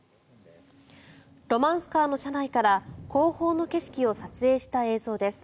ロマンスカーの車内から後方の景色を撮影した映像です。